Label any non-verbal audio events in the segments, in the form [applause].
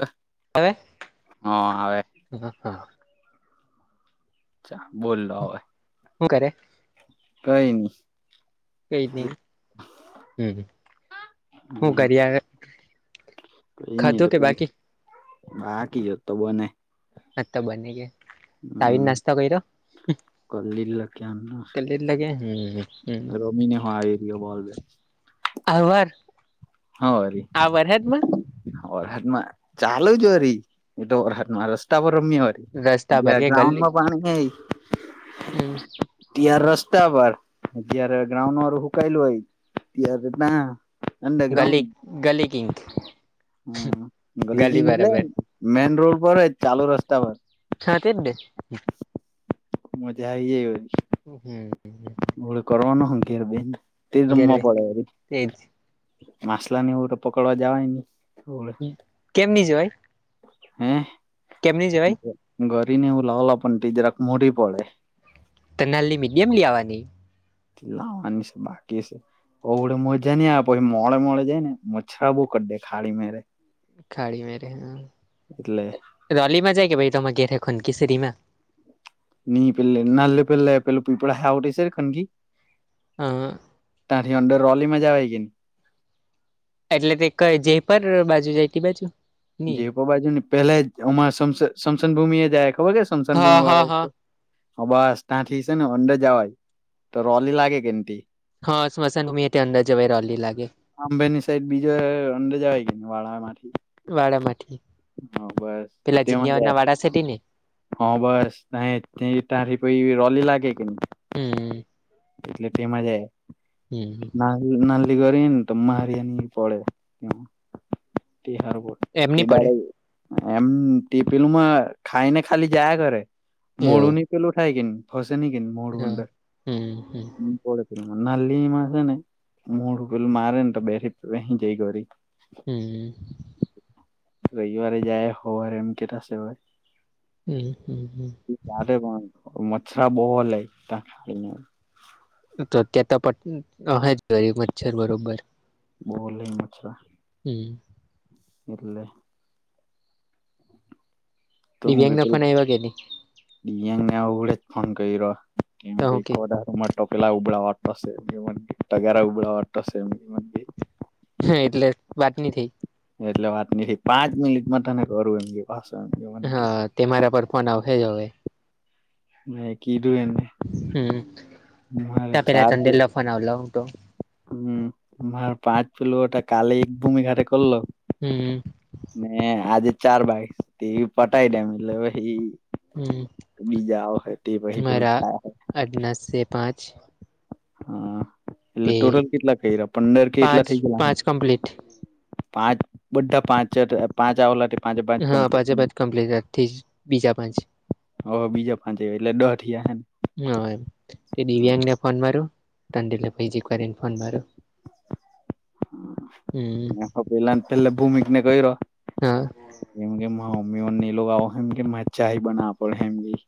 હા હવે આવે હ હા અચ્છા બોલલો હોવે? હ કરે? કઈ નહી કઈ નઈ હમ હું હમ કરી? કઈ નહી ખાધું તો કે બાકી બાકી જત તો બને. હ બને ગ આવીાવને હમ નાસ્તો કર્યો? કલીલ ક્યાં લગે હમ રમીને હો એ રહયો બોલ? અ હર હારી આ વર હદમાં. વરહાટમાં ચાલુ જોરી એતો વરહાટ માં રસ્તા પર રમ્યા હોય. રસ્તા પર જ્યા કે ગ્રાઉન્ડ ગલી માં પાણી હ ત્યાર રસ્તા પર જય્યારે ગ્રાઉન્ડ વારું સુકાયેલું હોય ત્યારે ના ગલી ગલી કિંક હ ગલીગ એટલે મેન રોડ પર ચાલુ રસ્તા પર હા તે ડે મજ્યાઈ જાય ગ હમ. હ કરવાનો હઘેર બેન તે જમવા ગેરવે પડેરે તેજ માસલા ને એવ પકડવા જવાય નહીં કેમની જવાય હે કેમની જવાય ઘરીને હું લાવલા પણ તી જરાક મોરી પડે તનાલ ની મીડિયમ લેવાની લાવાની છે બાકી છે. ઓવડે મજા નઈ આવે મોડે મોડે જાય ને મચ્છરા બુ ક દે ખાડી મેરે ખાડી મેરે એટલે હ રલીમાં જાય કે ભાઈ ત ઘેરે ખોન કિશરી માં ની પહેલલી નલ્લે પહેલા પેલપઈ પણડા હાઉટ સરાર કર કણકી હ તારથી અંદર રલી મજા હોય કે નને. એટલે તે ક જેપર બાજુ જાયતી બાજુ. ની જે બાજુ ને પેલા જમાં સમમસન ભૂમિ એ જાય ખબર છે સમસન હા ભૂમિ હા વાળસ્ હા હ બસ ત્યાં થી સેનેઈ છે ને અંદર જવાય તો રોલી લાગે કેમતી હા સ્મશાની ભૂમિય થઅંદર જવાઈ રલી લાગે. આંબે ની સાઈડ બીજો અંદર જવાય ગય વાળા માંથી. વાડામાંથી હ બસ પેલા તેમાં જીનિયાવા જાય ના વાડા સા ને હા બસ ના એ તારી પઈ રોલી લાગે કે ન હમ. કેટલી ટીમ જ હમ નાલ્લી કરી તો મારી આની પડે કેમ તે હર બોટ તે એમની પડે દાણે એમ ટી પલુંમાં ખાયને ખાલી જાય કરે એવું મળુની પલું ખાયકી ન ફશે ન કે મોળ હા હંદર હમ હમ નાલી માસે ને મોઢું પેલું મારે ને તો બેરી હ જઈ કરી. હમ રવિવારે જાય હોર એમ કેતા છે ભાઈ હમ હમ હમ. [unintelligible] પણ મચ્છરા બહો લે હ- તોત્યાં તો પ હ જરી મચ્છર બરોબર. બોલે મચ્છાર હમ. એટલે. તો હું ક દિવ્યાંગ ત ના ફોન આવ્યા કે નહી ને આવડે જ ફોન કર્યો કેમ તો કે હું ખોટા ટોપીલા ઉભડાા વાટતોશે ટગરા ઉબડાા વાટતશે હે એટલે વાત નઈ થઈ. એટલે વાત નઈ થઈ પાંચ મિનિટમાં તને કરું એમ કે પાછો એમને હા તે મારા પર ફોન આવશે જ હવે મેં કીધું એમને. હમ્મ ત પેલા ચંદેલ ફોન આવલો તો હમ્મ માર પાંચ પલઓટ કાલી એક ભૂમિ ઘાટે કરલો હમ્મ હમ્મ. મેને આજે ચાર ભાઈ તેવી પટાઈ દેમ એટલે ઈ હમ બીજાઓ આઓ હ તે પછી પેલુ મારા થાય આજના છે પાંચ હા એટલે તેર ટોટલ કેટલા કરીયા પંદર કે એટલા પાંચ થઇ ગયા પાંચ કમ્પ્લીટ પાંચ બધા પાંચ પાંચ આવલા હા પાંચે પાંચ કમ્પ્લીટ આજથી જ બીજા પાંચ ઓ બીજા પાંચ એટલે દ થઈ જાય દિવ્યાગ ને ફોન મા લઉ તન બીજી કરી ને ફોન મા લઉ હમ્મ હા, પેલા ને પેલે ભૂમિક ને કર્યો હા એમ કેમ મમ્મી મને એ લોકો આવ હે ચાય બનાવવા પડે હે એમ ની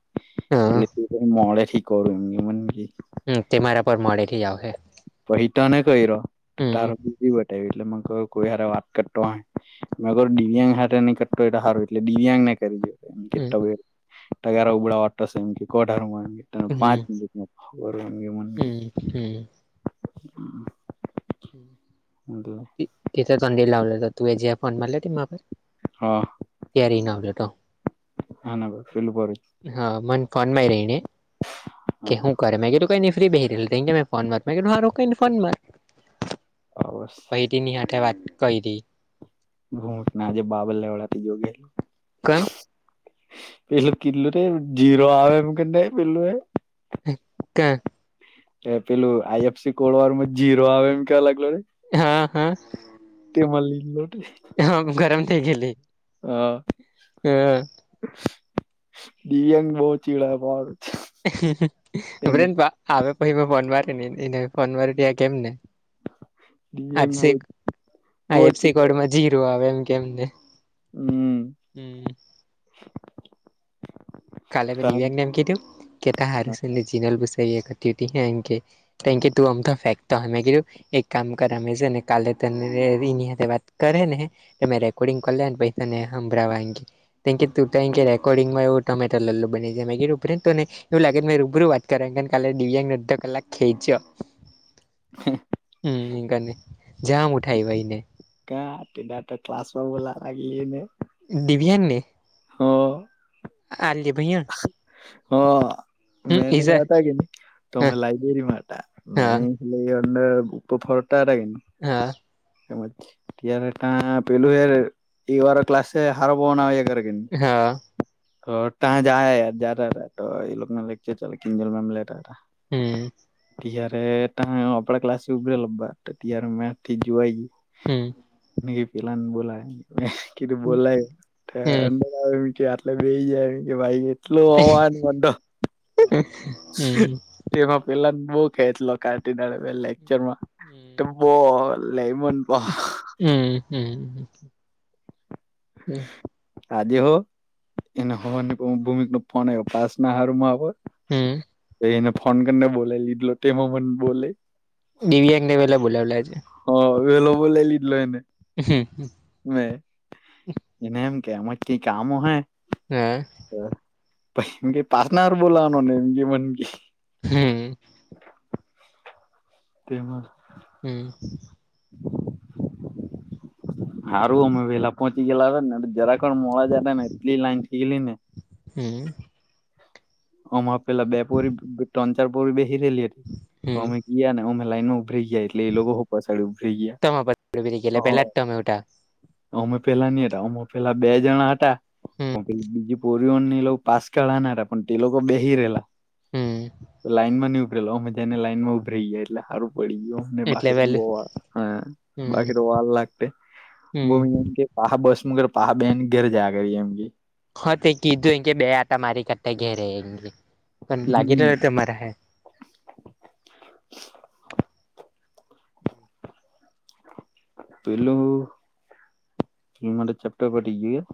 હા એટલે તું મોડેથી કરું એમ મને હમ્મ તે મારા પર મળે થી જ આવશે પછી તને કર્યો હમ તાર બી બીજી વ્તાયો એટલે મન કોઈ વાત ક તોણ અગર દિવ્યાંગ હાથે નહી કરતો સારું એટલે દિવ્યાંગ ને કરી હમ [unintelligible] તગારા ઉપાડવાના થશે [unintelligible] પાંચ હમ મિનીટમાં ખબર હેને મને હમ્મ. એટલે તે ચંડી લાવલ તો તું એ જે ફોન મારલા તે મા હા તિયારી ના હાલે તો હા નકો પેલુ ભરું હા મને કોન માં રહીને કે શું હા કરે મે કીધું કઈ નઈ ફ્રી બેહી રયો કે ફોન મે મા મેં કીધુ હારુ ફોનમાં આવસ પહિ થી નહી હટે વાત કરી ઘૂટ ને આજે બાબર લેવાળડા થી જોયો ગેલું કેમ પેલું કિલું રે જીરો આવા એમ કેમ પેલું એ ને ક્યા એ પેલું આઈ એફસી કોડ વાર માં જીરો આવે એમ કેવા લાગલો હા હા તેમ મલી ગયો લે હ ગરમ થઈ ગયેલી હા હા દિવ્યાંગ બહુ ચીડાવે પાહો બન આવે પછી મે ફોન મારે નને એને ફોન મારી તે આ કેમ ને દિવ્યાંગ બહુ એફસી આ બહુ એફસી ચીડા કોડમાં જીરું આવે એમ કેમને હમ [inaudible] હમ્મ. કાલે મેં દિવ્યાક ને એમ કીધું કે તાર હારું છેને જિનલ બુસરી એક તટી હે એનકે તેકે તું અમતા ફેકતા હો મેં કીધુ એક કામ કરમે છે ને કાલે તને એની વાત કરે ને. તમે રેકોર્ડિંગ કર્યાને પછ તને સાંભળવા રેકોર્ડિંગમાંવ. ટોમેટો લોલ્લો બને જે ઉપરાંત તણેને. એવું લાગે મેં રૂબરૂ વાત કર કાલે દિવ્યાંગને અડધ કલાક ખેંચ્યો. હમ એને જામ ઉઠાય ભાઈને. ક તિના તો ક્લાસો બોલા લાગીને. દડીભિયાન ને. હ. આલીલે ભૈયા. હા હમ મે ન ઈઝર હતા કે નહી તોમે હા લાઈક. પેરી મા હા મેનડ ઉપ ફોરટ આડા. હા. તાર ત પેલુ હર, એ વાર ક્લાસ હાર પવના હોગ. હા હાઠ તં જ યાર જા રહ તો એ લોકો ને લકચર ચિજલ મેમ લે. હમ્મ ત્યારે ત આપડા ક્લાસ ઉરે લા ત્યારે મેથી જોવાઈ ગયુ. હમ્મ ન પલાની બોલા કેધું બોલ. હમ મ કે આટલે બે જાય એમ કે ભાઈ એટલું હવાન બો. હમ્મ તેમાં પેલા બઉ ખેચ લો કાટી દડ લેકચરમાં. બ લઈ મનપ હમ્મ હમ્મ આજે હો એને હોવાની ભૂમિક નો ફન આવ પાસ ના હારમાં. હમ્મ ને ફોનને બોલે લીડ લોટેમ બોલે. દિવ્યાંગ દેવેલા બોલાવલા છેે. હ એવેલો બો લ લીધ લ એને હમ હ. હ એને એમ કે એમાં ક કામો હે. હા. પછ પસનાર બોલાવવાનો નેમ કે મગ. હમ્મ તેમસ. હમ્મ [unintelligible] હારું અમે ભેલા પહચી ગલાને જરાખડ મળ જ ને એટલી લાઈન થઈ ગલી ને. હમ્મ અમાં પેલા બેપોરી ત્રન ચાર પ બેસીી રહેલી હતી હમ અમ. ગયા ને અમે લાઈનો ઉભરા ગયા એટલે એ લોકો પાછડી ઉભરી ગયા. તમે પછી ગેલા પેલા જ તમે ઉઠા અમે પેલા નહ હતા અમે પેલા બે જણા હતા હમ પણ પે બીજી. પાસ કના પણ તે લોકો બેહી રહેલા હમ લાઈનમાં. મજાને લાઈન માં ઉભ રઈ ગયા એટલે સારું પડી ગય. બાખ એટલે બ પેલું હા બાખે હમ વાલ લાગ હમ બમ. પહા બસ મુ ઘર પા બેહેન ની ઘર જયા કરી એમ કે. હા તે કીધું એ કે બે આટા મારી ક ઘેરે પણ લાગી હમ રહરા હ. પેલોું હ મારે ચેપ્ટર પડી ગયું.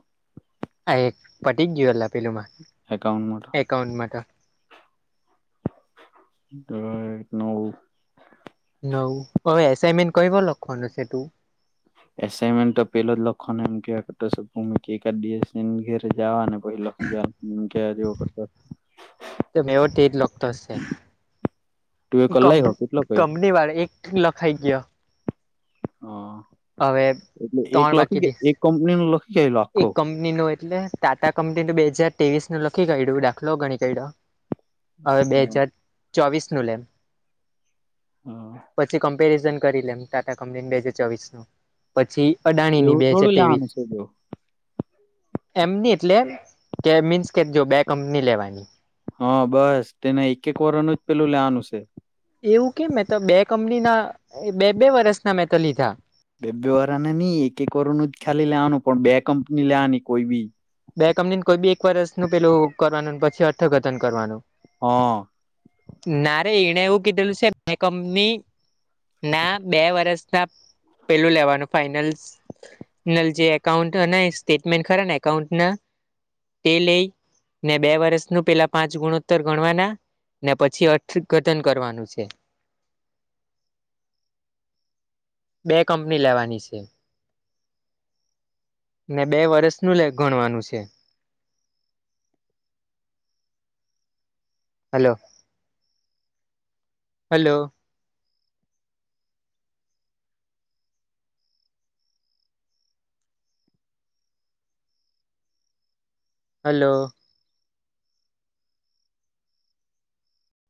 આ એક પટીક ગયયો લ પેલુંમાં. એકાઉન્ટ માટેટર એકાઉન્ટ માટે તરા નવ નવ હ એસાઈનમેન્ટ કર લક્ષણશે તું એસમેન્ટ તો પેલો જ લખો ને એમ ક કે ઘરેવા પછ લકીી ગ હ ક જે કરતા મે એવો તે જ લોકોતો છે, તું એ કલાઈ હો કેટલો ક કર્યો કંપની વાળ એક લખાઈ કયો. હવે હ એટલે એક લખી કે એક કંપની નું લખી. ગયેલો આખો એક કંપની નું એટલે ટાટા કંપનીનું બે હાજાર ત્રેવીસ નું લખી ક્યું દાખલો ઘણી કડ્યો. હવે બે હા હજાર ચોવીસ નું લેમ. હા પછી કમ્પેરિઝન કરી લેમ ટાટા કંપની બે હાજાર ચોવીસ નું. પછી અડાણીની બે હજાર ત્રેવીસ. હ. એમની એટલે કે મીન્સ કે જો બે કંપની લેવાની. હા બસ તેને એક એક વર ન જ પેલું લેવાનું છે. એવું કેમ મેં તો બે કંપની ના બે બે વરષ ના મેં તો લીધા. બેબ વાળાને નઈ એક એક કર ન જ ખાલી લેવાનું પણ બે કંપની લેવાની કોઈ બી. બે કંપનીને કોઈ બી એક વરષનુંું પેલું કરવાનું પછી અર્થઘતન કરવાનું. હા. ના રરે એને એવું કીધેલું છે મે કંપની. ના બે વરષ ના પેલું લેવાનું ફાઈનલ. જે એકાઉન્ટ સ્ટેટમેન્ટ ખરા ને એકાઉન્ટના તે લઈ. ને બે વર્ષ ન પેલા પાંચ ગુણોત્તર ગણવાના. ને પછી અથ ગટન કરવાનું છે. હ છે. બે કંપની લેવાની છે. ને બે વર્ષ નું લે ગણવાનું છે. હલો. હેલો. હલો.